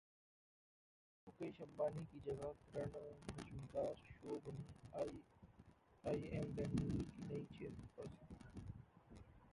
मुकेश अंबानी की जगह किरण मजूमदार शॉ बनीं आईआईएम-बेंगलुरू की नई चेयरपर्सन